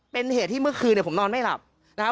เป็นเหตุที่เมื่อคืนเนี่ยผมนอนไม่หลับนะครับ